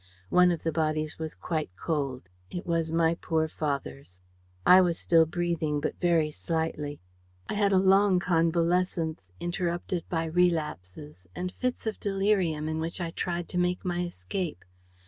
One of the bodies was quite cold. It was my poor father's. I was still breathing, but very slightly. ... I had a long convalescence, interrupted by relapses and fits of delirium, in which I tried to make my escape.